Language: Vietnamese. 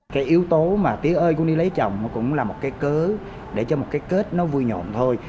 cái yếu tố mà tía ơi cũng đi lấy chồng cũng là một cái cớ để cho một cái kết nó vui nhộn thôi